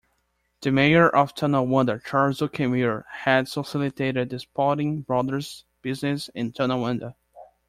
The mayor of Tonawanda, Charles Zuckmaier, had solicited the Spaulding brothers’ business in Tonawanda.